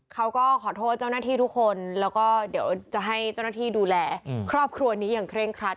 เขาก็ขอโทษเจ้าหน้าที่ทุกคนแล้วก็เดี๋ยวจะให้เจ้าหน้าที่ดูแลครอบครัวนี้อย่างเคร่งครัด